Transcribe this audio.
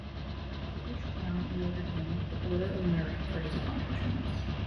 The British Crown awarded him the Order of Merit for his accomplishments.